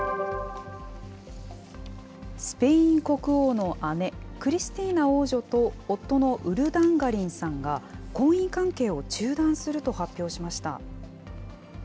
スペイン国王の姉、クリスティーナ王女と夫のウルダンガリンさんが、婚姻関係を中断すると発表しました。